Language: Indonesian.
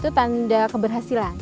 itu tanda keberhasilan